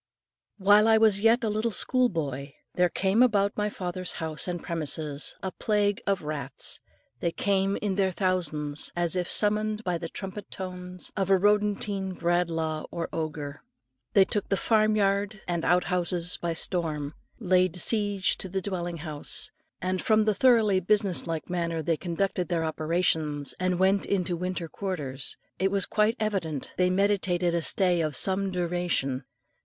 While I was yet a little school boy, there came about my father's house and premises a plague of rats. They came in their thousands, as if summoned by the trumpet tones of a rodentine Bradlaugh or Odger. They took the farm yard and outhouses by storm, laid siege to the dwelling house, and, from the thoroughly business like manner they conducted their operations, and went into winter quarters, it was quite evident they meditated a stay of some duration.